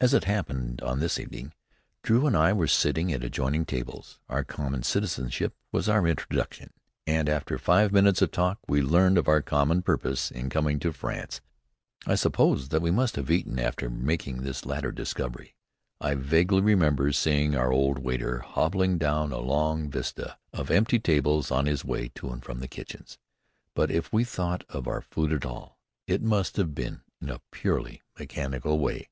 As it happened on this evening, Drew and I were sitting at adjoining tables. Our common citizenship was our introduction, and after five minutes of talk, we learned of our common purpose in coming to France. I suppose that we must have eaten after making this latter discovery. I vaguely remember seeing our old waiter hobbling down a long vista of empty tables on his way to and from the kitchens. But if we thought of our food at all, it must have been in a purely mechanical way.